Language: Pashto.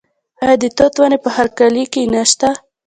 آیا د توت ونې په هر کلي کې نشته؟